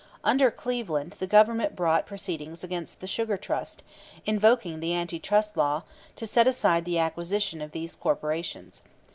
Under Cleveland, the Government brought proceedings against the Sugar Trust, invoking the Anti Trust Law, to set aside the acquisition of these corporations.